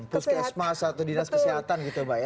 puskesmas atau dinas kesehatan gitu pak ya